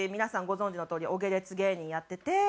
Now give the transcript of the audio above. ご存じのとおりお下劣芸人やってて。